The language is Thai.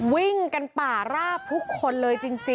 วิ่งกันป่าราบทุกคนเลยจริง